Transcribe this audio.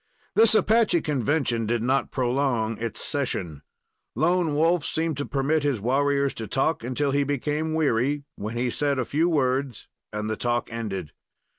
This Apache convention did not prolong its session. Lone Wolf seemed to permit his warriors to talk until he became weary, when he said a few words, and the talk ended.